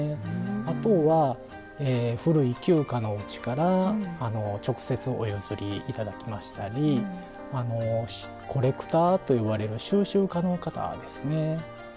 あとは古い旧家のおうちから直接お譲り頂きましたりコレクターと呼ばれる収集家の方ですね。